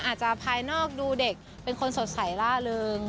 อาจจะภายนอกดูเด็กเป็นคนสดใสล่าเริง